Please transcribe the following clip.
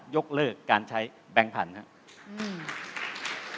ยกเลิกการใช้แบงค์พันธุ์ครับ